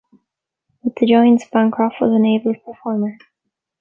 With the Giants, Bancroft was an able performer.